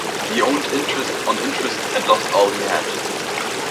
He owed interest on interest and lost all he had.